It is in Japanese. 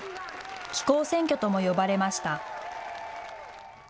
気候選挙とも呼ばれました。